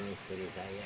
saya ada buatan